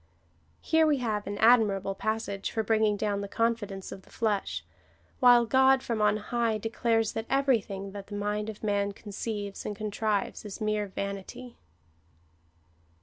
Here we have an admirable passage for bringing down the confidence of the flesh, while God from on high declares that everything that the mind of man conceives and contrives is mere vanity.